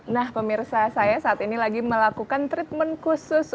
nah pemirsa saya saat ini lagi melakukan treatment khusus